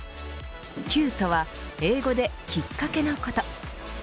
ＣＵＥとは英語できっかけのこと。